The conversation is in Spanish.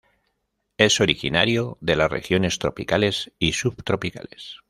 Es originario de las regiones tropicales y subtropicales.